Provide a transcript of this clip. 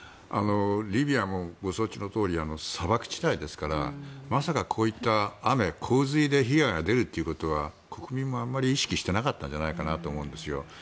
リビアもご承知のとおり砂漠地帯ですからまさかこういった雨、洪水で被害が出るっていうことは国民もあまり意識してなかったんじゃないかなと思うんですよ。